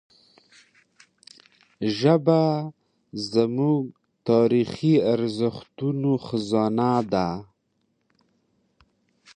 ژبه زموږ د تاریخي ارزښتونو خزانه ده.